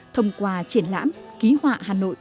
thông qua triển lãm ký hòa hà nội hai nghìn một mươi bảy